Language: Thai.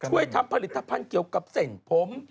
ช่วยทำผลิตภัณฑ์เกี่ยวกับเส้นผม